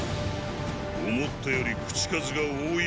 思ったより口数が多い男だ。